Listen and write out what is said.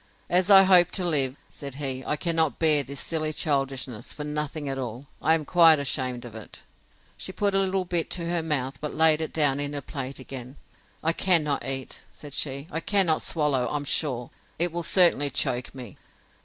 As I hope to live, said he, I cannot bear this silly childishness, for nothing at all! I am quite ashamed of it. She put a little bit to her mouth, but laid it down in her plate again: I cannot eat, said she; I cannot swallow, I'm sure. It will certainly choak me.